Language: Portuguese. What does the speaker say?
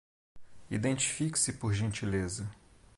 Identifique-se por gentileza